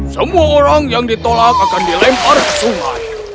semua orang yang ditolak akan dilempar ke sungai